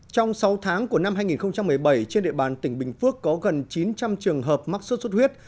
trong sáu tháng của năm hai nghìn một mươi bảy trên địa bàn tỉnh bình phước có gần chín trăm linh trường hợp mắc sốt xuất huyết